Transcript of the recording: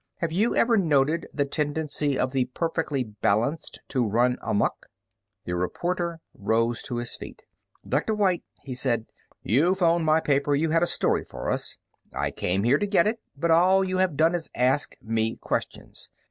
Have you ever noted the tendency of the perfectly balanced to run amuck?" The reporter rose slowly to his feet. "Dr. White," he said, "you phoned my paper you had a story for us. I came here to get it, but all you have done is ask me questions.